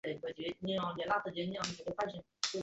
其北端为贝洛特海峡。